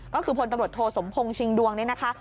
ก็คือพลตำรวจโทสมพงศ์ชิงดวงเนี่ยนะคะ